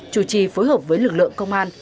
chủ trì phối hợp với lực lượng công an